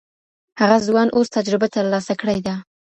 هغه ځوان اوس تجربه ترلاسه کړې ده.